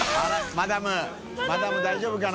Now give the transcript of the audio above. マダム大丈夫かな？